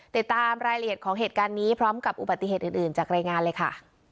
ติดตามรายละเอียดของเหตุการณ์นี้พร้อมกับอุบัติเหตุอื่นจากรายงานเลยค่ะ